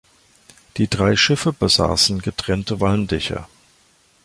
Die drei Schiffe besaßen getrennte Walmdächer.